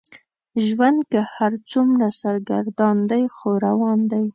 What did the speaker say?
ژوند که هر څومره سرګردان دی خو روان دی.